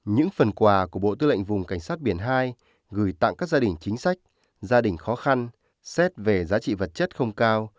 những phần quà của bộ tư lệnh vùng cảnh sát biển hai gửi tặng các gia đình chính sách gia đình khó khăn xét về giá trị vật chất không cao